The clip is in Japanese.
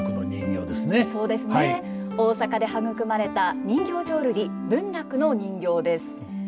大阪で育まれた人形浄瑠璃文楽の人形です。